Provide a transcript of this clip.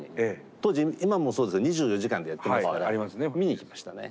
当時今もそうですけど２４時間でやってますから見に行きましたね。